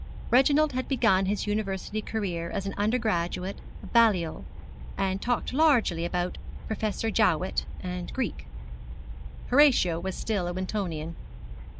Reginald had begun his University career as an undergraduate of Balliol, and talked largely about Professor Jowett, and Greek. Horatio was still a Wintonian.